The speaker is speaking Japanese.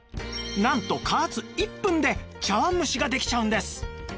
なんと加圧１分で茶碗蒸しができちゃうんです